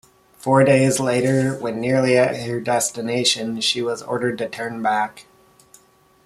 Four days later, when nearly at her destination, she was ordered to turn back.